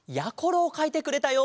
やころをかいてくれたよ。